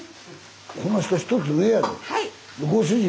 この人１つ上やで。